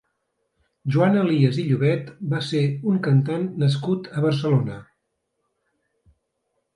Joan Elias i Llobet va ser un cantant nascut a Barcelona.